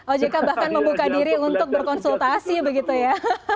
ojk bahkan membuka diri untuk berkonsultasi begitu ya